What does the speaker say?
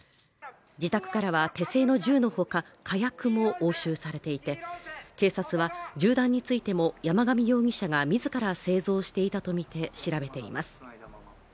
自宅からは手製の銃のほか火薬も押収されていて警察は銃弾についても山上容疑者が自ら製造していたとみて調べています。